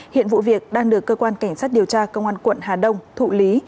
hiện vụ việc đang được cơ quan cảnh sát điều tra công an quận hà đông thụ lý